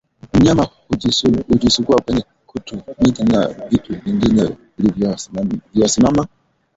Mnyama hujisugua kwenye kuta miti na vitu vingine vilivyosimama